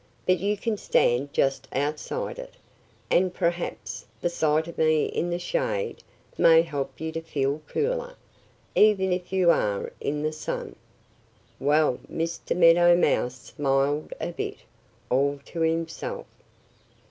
"But you can stand just outside it. And perhaps the sight of me in the shade may help you to feel cooler, even if you are in the sun." Well, Mr. Meadow Mouse smiled a bit, all to himself.